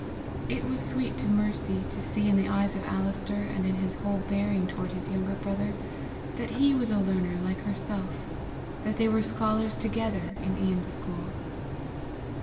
It was sweet to Mercy to see in the eyes of Alister, and in his whole bearing toward his younger brother, that he was a learner like herself, that they were scholars together in Ian's school.